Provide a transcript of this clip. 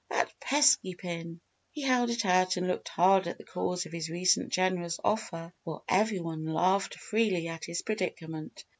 That pesky pin!" He held it out and looked hard at the cause of his recent generous offer while every one laughed freely at his predicament.